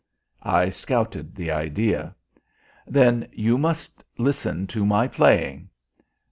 I scouted the idea. "Then you must listen to my playing.